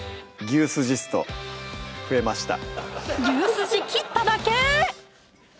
牛すじ切っただけ！